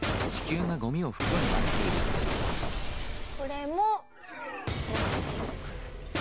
これもプラスチック。